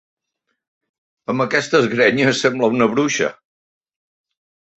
Amb aquestes grenyes sembla una bruixa.